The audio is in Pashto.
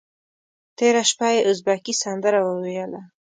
تېره شپه یې ازبکي سندره وویله.